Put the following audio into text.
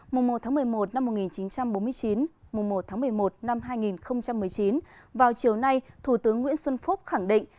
mùa một tháng một mươi một năm một nghìn chín trăm bốn mươi chín mùa một tháng một mươi một năm hai nghìn một mươi chín vào chiều nay thủ tướng nguyễn xuân phúc khẳng định